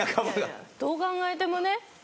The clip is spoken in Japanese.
どう考えてもね。